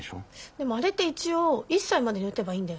でもあれって一応１歳までに打てばいいんだよね。